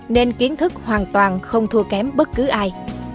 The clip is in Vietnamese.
nên kiến thức hoàn toàn không thua kém bất cứ ai